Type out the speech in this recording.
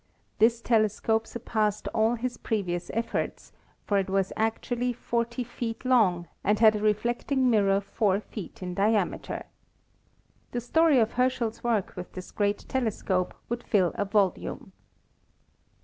This telescope surpassed all his previous efforts, for it was actually 40 feet long and had a reflecting mirror 4 feet in diameter. The story of Herschel's work with this great telescope would fill a volume.